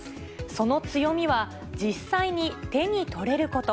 その強みは、実際に手に取れること。